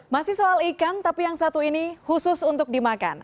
masih soal ikan tapi yang satu ini khusus untuk dimakan